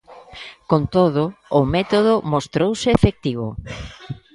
Con todo, o método mostrouse efectivo.